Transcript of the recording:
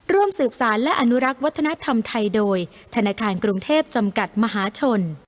ร่วมสืบสารและอนุรักษ์วัฒนธรรมไทยโดยธนาคารกรุงเทพจำกัดมหาชน